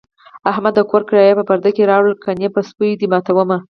احمده! د کور کرایه په پرده کې راوړه، گني په سپو دې ماتوم.